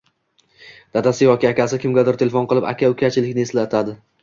Dadasi yoki akasi kimgadur telefon qilib, «aka-ukachilik»ni eslatadi.